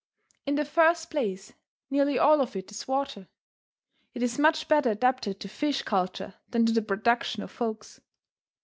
In the first place, nearly all of it is water. It is much better adapted to fish culture than to the production of folks.